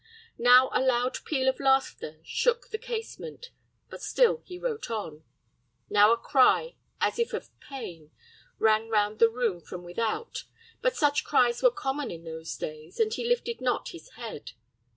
Now a loud peal of laughter shook the casement; but still he wrote on. Now a cry, as if of pain, rang round the room from without, but such cries were common in those days, and he lifted not his head.